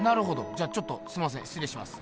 じゃちょっとすみませんしつれいします。